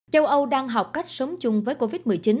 châu âu đang học cách sống chung với covid một mươi chín